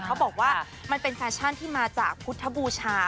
เขาบอกว่ามันเป็นแฟชั่นที่มาจากพุทธบูชา